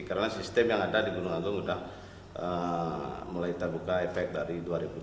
karena sistem yang ada di gunung agung sudah mulai terbuka efek dari dua ribu tujuh belas